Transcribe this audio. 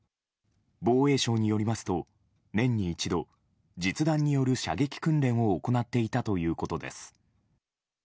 防衛省によりますと、年に一度実弾による射撃訓練を行っていたということです。